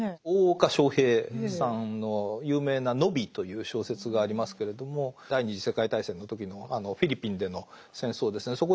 大岡昇平さんの有名な「野火」という小説がありますけれども第二次世界大戦の時のあのフィリピンでの戦争ですね